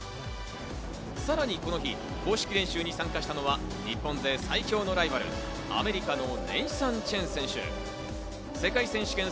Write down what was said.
さらにこの日、公式練習に参加したのは日本勢最強のライバル、アメリカのネイサン・チェン選手。